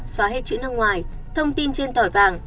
xóa hết chữ nước ngoài thông tin trên tỏi vàng